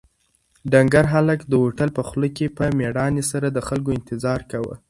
ډنکر هلک د هوټل په خوله کې په مېړانې سره د خلکو انتظار کاوه.